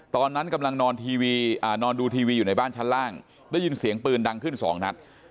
ตอนนั้นกำลังนอนดูทีวีอยู่ในบ้านชั้นล่างได้ยินเสียงปืนดังขึ้น๒นัด